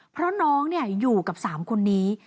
เพราะน้องอยู่กับ๓คนนี้